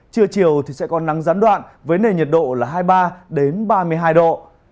trưa chiều thì sẽ có nắng gián đoạn với nền nhiệt độ là hai mươi ba ba mươi hai độ